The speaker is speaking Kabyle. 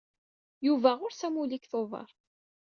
Yuba ɣur-s amulli deg Tubeṛ.